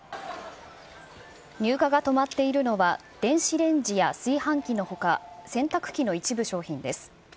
入荷が止まっているのは、電子レンジや炊飯器のほか、洗濯機の一部商品です。